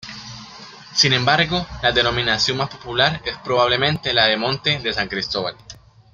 Sin embargo, la denominación más popular es probablemente la de monte de San Cristóbal.